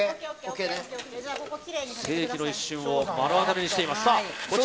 世紀の一瞬を目の当たりにしています。